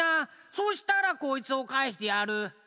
そしたらこいつをかえしてやる！